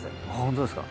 本当ですか。